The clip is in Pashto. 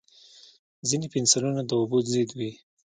ځینې پنسلونه د اوبو ضد وي.